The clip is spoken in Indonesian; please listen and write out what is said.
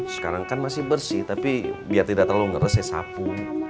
sekarang kan masih bersih tapi biar tidak terlalu ngeresis sapu